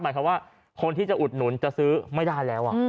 บอกคะว่าคนที่จะอุดหนุนเจอซื้อไม่ได้แล้วอะ